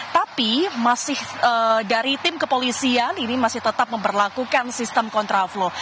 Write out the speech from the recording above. tapi masih dari tim kepolisian ini masih tetap memperlakukan sistem kontraflow